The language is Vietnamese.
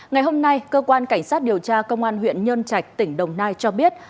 ngày hôm nay cơ quan cảnh sát điều tra công an huyện nhân trạch tỉnh đồng nai cho biết